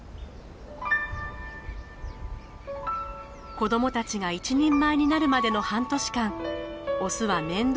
子どもたちが一人前になるまでの半年間オスは面倒を見続けます。